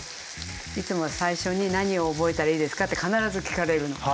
いつも最初に何を覚えたらいいですかって必ず聞かれるの。